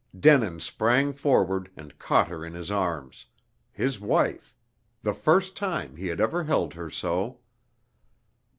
Denin sprang forward, and caught her in his arms his wife the first time he had ever held her so.